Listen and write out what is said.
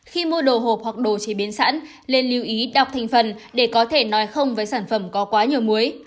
khi mua đồ hộp hoặc đồ chế biến sẵn nên lưu ý đọc thành phần để có thể nói không với sản phẩm có quá nhiều muối